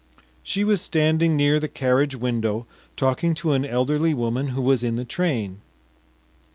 She was standing near the carriage window, talking to an elderly woman who was in the train.